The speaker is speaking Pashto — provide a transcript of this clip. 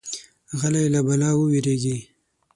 غلی، له بلا ووېریږي.